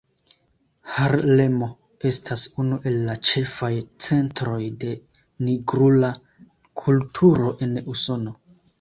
Harlemo estas unu el la ĉefaj centroj de nigrula kulturo en Usono.